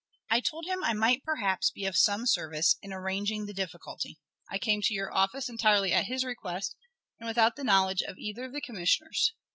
I told him I might perhaps be of some service in arranging the difficulty. I came to your office entirely at his request, and without the knowledge of either of the commissioners.